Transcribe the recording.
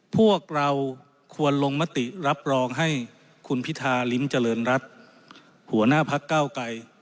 พวกเราควรลงมติรับรองให้คุณพิธาริมเจริญรัฐหัวหน้าพักเก้าไกร